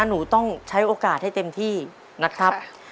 หนูต้องใช้โอกาสให้เต็มที่นะครับ